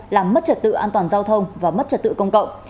làm mất trật tự an toàn giao thông và mất trật tự công cộng